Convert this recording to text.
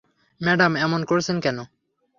Madam, এমন করছেন কেন?